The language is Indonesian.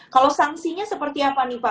kalau sanksinya seperti apa nih pak